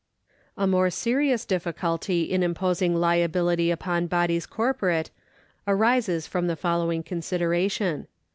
A more serious difficulty in imposing liability upon bodies corporate arises from the following consideration.